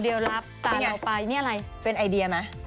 เดี๋ยวรับตาไปนี่อะไรเป็นไอเดียไหม